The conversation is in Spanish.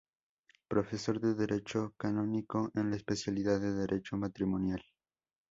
Profesor de Derecho Canónico en la especialidad de Derecho Matrimonial.